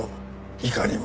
いかにも。